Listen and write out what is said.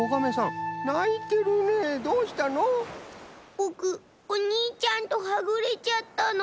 ぼくおにいちゃんとはぐれちゃったの。